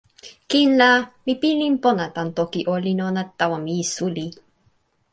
kin la mi pilin pona tan toki olin ona tawa mi suli.